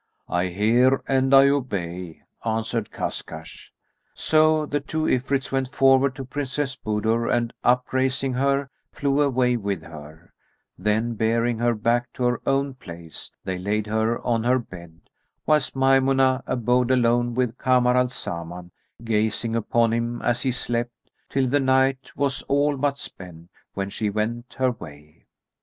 "I hear and I obey;" answered Kashkash. So the two Ifrits went forward to Princess Budur and upraising her flew away with her; then, bearing her back to her own place, they laid her on her bed, whilst Maymunah abode alone with Kamar al Zaman, gazing upon him as he slept, till the night was all but spent, when she went her way.